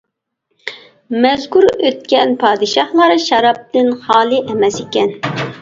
مەزكۇر ئۆتكەن پادىشاھلار شارابتىن خالىي ئەمەس ئىكەن.